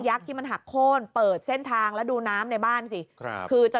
ที่มันหักโค้นเปิดเส้นทางแล้วดูน้ำในบ้านสิครับคือจะ